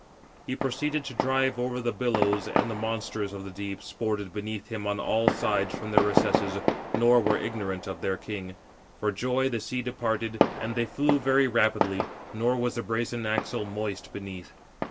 He proceeded to drive over the billows, and the monsters of the deep 412 sported beneath him on all sides from their recesses, nor were ignorant of their king. For joy the sea separated; and they flew very rapidly, nor was the brazen axle moist beneath.